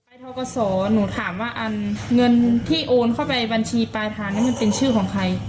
เฮ้ยท่อกสหนูถามว่าเงินที่โอนเข้าไปบัญชีปลายทางนั้นเป็นชื่อของใคร